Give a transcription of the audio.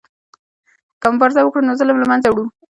که مبارزه وکړو نو ظلم له منځه وړو.